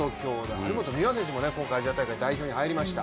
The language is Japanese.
張本美和選手も今回アジア大会代表に入りました。